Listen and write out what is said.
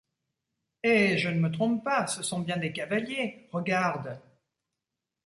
Eh ! je ne me trompe pas ! ce sont bien des cavaliers ! regarde !